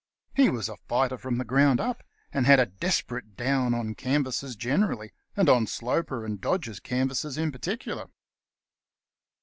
He was a fighter from the ground up, and had a desperate "down" on canvassers generally, and on Sloper and Dodge's canvassers in particular.